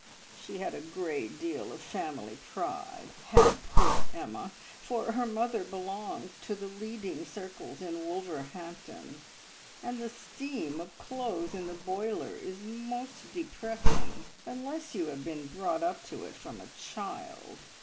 She had a great deal of family pride, had poor Emma, for her mother belonged to the leading circles in Wolverhampton, and the steam of clothes in the boiler is most depressing unless you have been brought up to it from a child.